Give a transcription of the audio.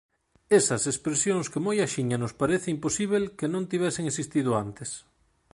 Esas expresións que moi axiña nos parece imposíbel que non tivesen existido antes.